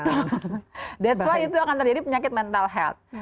that's why itu akan terjadi penyakit mental health